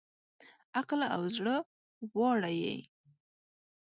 عقل او زړه واړه یې